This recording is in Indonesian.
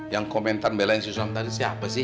yang komentar belain si suami tadi siapa sih